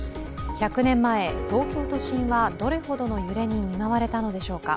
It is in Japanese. １００年前、東京都心はどれほどの揺れに見舞われたのでしょうか。